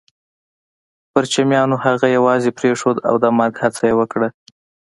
پرچمیانو هغه يوازې پرېښود او د مرګ هڅه يې وکړه